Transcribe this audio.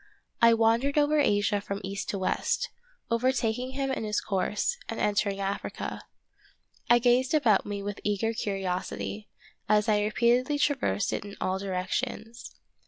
I wandered over Asia from east to west, overtaking him in his course, and entered Africa. I gazed about me with eager curiosity, as I repeatedly traversed it in all direc tions.